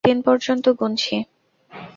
ঠিক আছে, আমি তিন পর্যন্ত গুনছি।